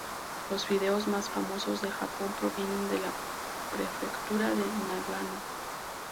Los fideos más famosos de Japón provienen de la Prefectura de Nagano.